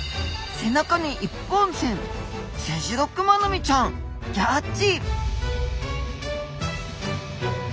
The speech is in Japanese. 背中に一本線セジロクマノミちゃんギョっち！